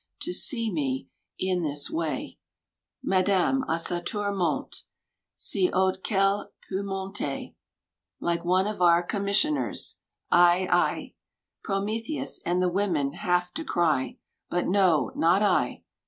To see me in this way ... Madame a sa tour monte Si haut qu'eUe peui monter — Like one of our Commissioners ... ail ai! Prometheus and the women have to cry. But no, not I